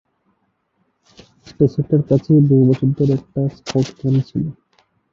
স্টেশনটির কাছেই বহু বছর ধরে একটি স্কাউট ক্যাম্প ছিল।